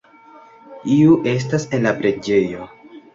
Iu estas en la preĝejo.